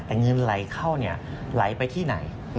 แต่เงินไหลเข้าไหลไปที่ไหน